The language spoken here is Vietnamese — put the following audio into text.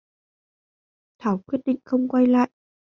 Thảo quyết định không quay lại